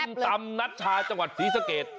เป็นตำนัชชาจังหวัดศรีสะเกด